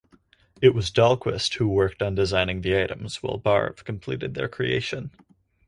It was Dahlquist who worked on designing the items while Barve completed their creation.